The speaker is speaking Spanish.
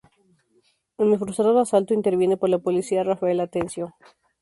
En el frustrado asalto, interviene por la policía, Rafael Atencio.